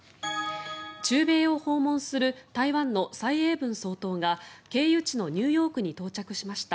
中米を訪問する台湾の蔡英文総統が経由地のニューヨークに到着しました。